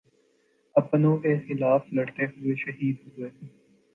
اپنوں کیخلاف لڑتے ہوئے شہید ہوئے